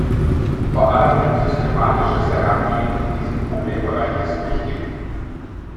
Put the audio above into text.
Vor allem ein systematisches Herangehen in diesem Problembereich ist wichtig.